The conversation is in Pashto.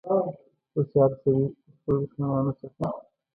هوښیار سړي د خپلو دښمنانو څخه.